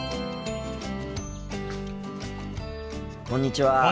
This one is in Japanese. こんにちは。